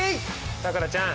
さくらちゃん。